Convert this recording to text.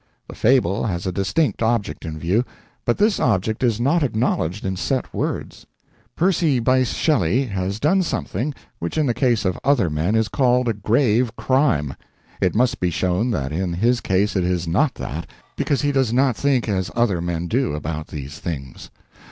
The fable has a distinct object in view, but this object is not acknowledged in set words. Percy Bysshe Shelley has done something which in the case of other men is called a grave crime; it must be shown that in his case it is not that, because he does not think as other men do about these things.